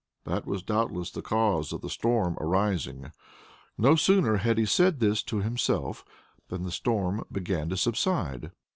That was doubtless the cause of the storm arising! No sooner had he said this to himself than the storm began to subside.